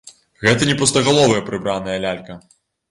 Гэта не пустагаловая прыбраная лялька.